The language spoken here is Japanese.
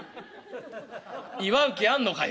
「祝う気あんのかい？